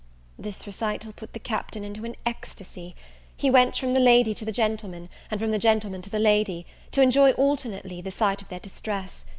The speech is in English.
This recital put the Captain into an ecstasy; he went from the lady to the gentleman, and from the gentleman to the lady, to enjoy alternately the sight of their distress.